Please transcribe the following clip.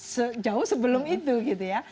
sejauh sebelum itu gitu ya